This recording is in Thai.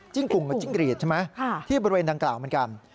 กลุ่มเหมือนจิ้งกรีดใช่ไหมที่บริเวณดังกล่าวเหมือนกัน